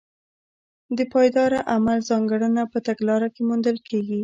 د پایداره عمل ځانګړنه په تګلاره کې موندل کېږي.